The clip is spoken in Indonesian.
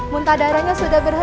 muntah darahnya sudah berhenti